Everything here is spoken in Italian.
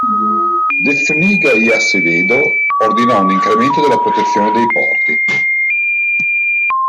De Zúñiga y Acevedo ordinò un incremento della protezione dei porti.